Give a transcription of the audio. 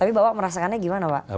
tapi bapak merasakannya gimana pak